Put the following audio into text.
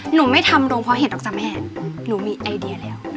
หนูไม่ทำโรงพอเห็นหรอกจ้ะแม่หนูมีไอเดียแล้ว